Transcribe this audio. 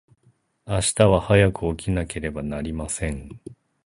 明日は早く起きなければなりません。